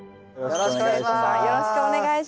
よろしくお願いします。